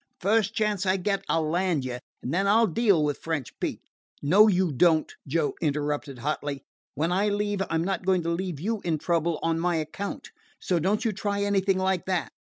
First chance I get I 'll land you, and then I 'll deal with French Pete " "No, you don't," Joe interrupted hotly. "When I leave I 'm not going to leave you in trouble on my account. So don't you try anything like that.